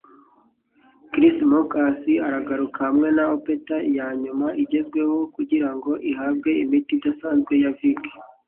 Chris Monks aragaruka hamwe na opetta yanyuma igezweho kugirango ihabwe imiti idasanzwe ya Vic.